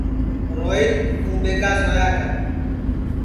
روہیت توں ٻیگا سویا کر